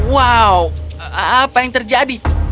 wow apa yang terjadi